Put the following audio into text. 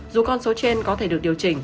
dù con số trên có thể được điều chỉnh